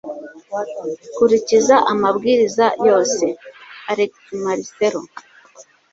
Kurikiza amabwiriza yose (alexmarcelo)